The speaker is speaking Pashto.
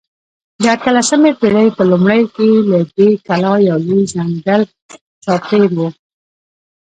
د اتلسمې پېړۍ په لومړیو کې له دې کلا یو لوی ځنګل چاپېر و.